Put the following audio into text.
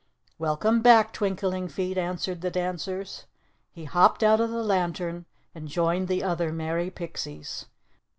"Welcome back, Twinkling Feet," answered the dancers. He hopped out of the lantern, and joined the other merry pixies.